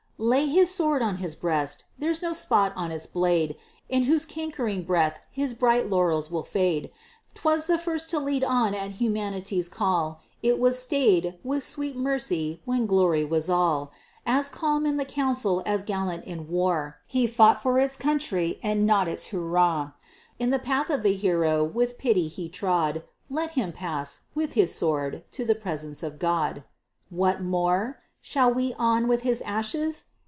Lay his sword on his breast! There's no spot on its blade In whose cankering breath his bright laurels will fade! 'Twas the first to lead on at humanity's call It was stay'd with sweet mercy when "glory" was all! As calm in the council as gallant in war, He fought for its country and not its "hurrah!" In the path of the hero with pity he trod Let him pass with his sword to the presence of God! What more? Shall we on with his ashes?